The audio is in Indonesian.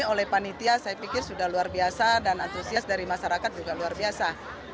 oleh panitia saya pikir sudah luar biasa dan antusias dari masyarakat juga luar biasa